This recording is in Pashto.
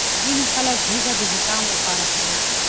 ځینې خلک هوږه د زکام لپاره خوري.